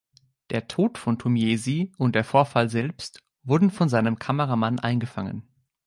Der Tod von Tumeizi und der Vorfall selbst wurden von seinem Kameramann eingefangen.